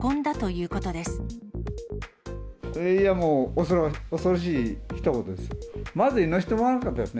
いやー、もう恐ろしい、ひと言です。